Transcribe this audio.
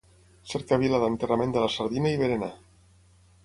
Cercavila d'enterrament de la sardina i berenar.